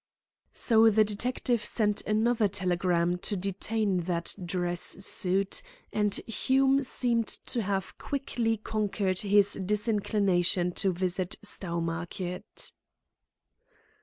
So the detective sent another telegram to detain that dress suit, and Hume seemed to have quickly conquered his disinclination to visit Stowmarket.